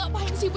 sampai jumpa ibu